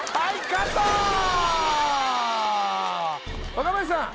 若林さん